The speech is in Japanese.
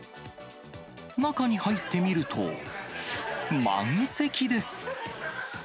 中に入ってみると、満席です。